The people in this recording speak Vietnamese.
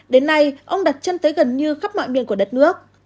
đến nay ông đặt chân tới gần như khắp mọi miền của đất nước